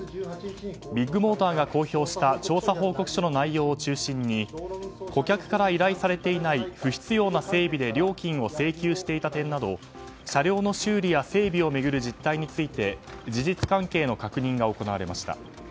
ビッグモーターが公表した調査報告書の内容を中心に顧客から依頼されていない不必要な整備で料金を請求していた点など車両の修理や整備を巡る実態について事実関係の確認が行われました。